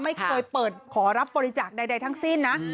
ไม่เคยเปิดขอรับบริจาคใดทั้งสิ้นนะ